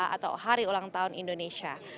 atau hari ulang tahun indonesia